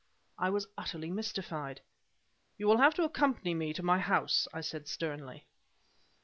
I was utterly mystified. "You will have to accompany me to my house," I said sternly.